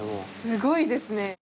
すごいですね。